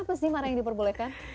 apa sih mana yang diperbolehkan